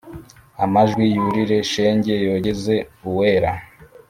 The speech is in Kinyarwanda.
Amajwi yurire shenge yogeze uwera